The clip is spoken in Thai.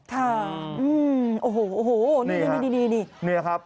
ค่ะโอ้โหนี่นี่ครับ